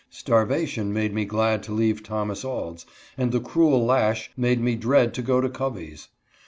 Starvation made me glad to leave Thomas Auld's, and the cruel lash made me dread to go to Covey's.